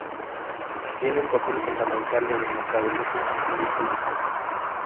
Tienen un papel fundamental en el metabolismo lipídico.